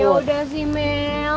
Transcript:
yaudah sih mel